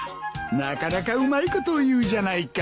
なかなかうまいことを言うじゃないか。